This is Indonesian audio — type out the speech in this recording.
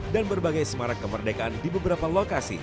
dan berbagai semarak kemerdekaan di beberapa lokasi